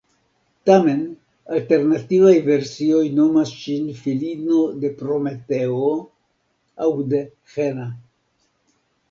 Tamen, alternativaj versioj nomis ŝin filino de Prometeo aŭ de Hera.